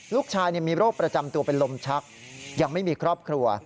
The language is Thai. ลูกชายมีโรคประจำตัวเป็นลมชักยังไม่มีครอบครัว